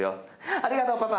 ありがとう、パパ。